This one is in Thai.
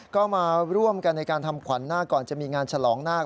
ก็มาร่วมกันในการทำขวัญนาคก่อนจะมีงานฉลองนาค